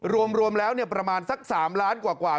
รวมแล้วประมาณสัก๓ล้านกว่า